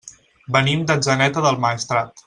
Venim d'Atzeneta del Maestrat.